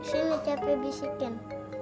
sini cep bisikin